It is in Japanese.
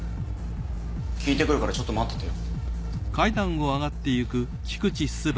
聞いてくるからちょっと待っててよ。